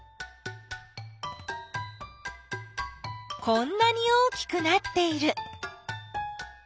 こんなに大きくなっている。